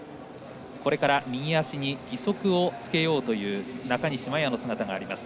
これから右足に義足をつけようという中西麻耶の姿があります。